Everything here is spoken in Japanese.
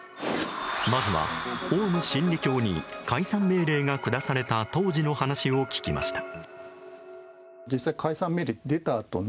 まずは、オウム真理教に解散命令が下された当時の話を聞きました。